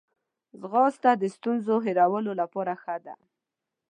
ځغاسته د ستونزو هیرولو لپاره ښه ده